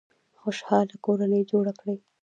خوشحاله کورنۍ جوړه کړئ